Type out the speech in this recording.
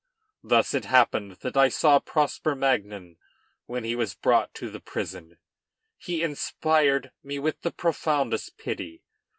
Thus it happened that I saw Prosper Magnan when he was brought to the prison. He inspired me with the profoundest pity.